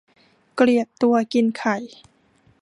เกลียดตัวกินไข่